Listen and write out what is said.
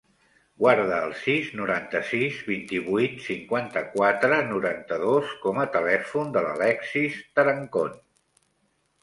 Guarda el sis, noranta-sis, vint-i-vuit, cinquanta-quatre, noranta-dos com a telèfon de l'Alexis Tarancon.